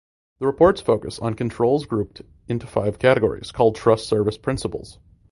The reports focus on controls grouped into five categories called "Trust Service Principles".